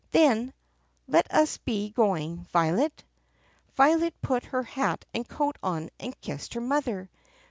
Then, "Let us be going, Violet." Violet put her hat and coat on and kissed her mother.